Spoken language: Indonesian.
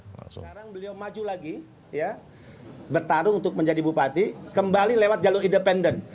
sekarang beliau maju lagi ya bertarung untuk menjadi bupati kembali lewat jalur independen